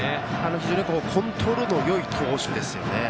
非常にコントロールのよい投手ですよね。